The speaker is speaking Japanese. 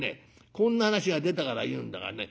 こんな話が出たから言うんだがね